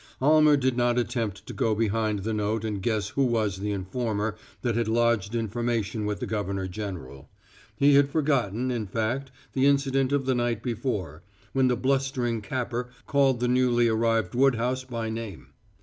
Almer did not attempt to go behind the note and guess who was the informer that had lodged information with the governor general. He had forgotten, in fact, the incident of the night before, when the blustering Capper called the newly arrived Woodhouse by name.